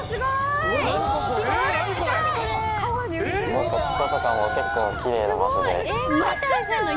こことかも結構キレイな場所で。